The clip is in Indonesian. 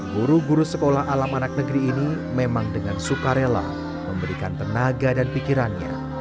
guru guru sekolah alam anak negeri ini memang dengan suka rela memberikan tenaga dan pikirannya